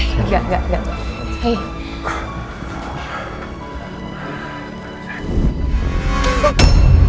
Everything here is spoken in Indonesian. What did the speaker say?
kita lanjut cari al